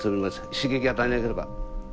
刺激を与えなければ。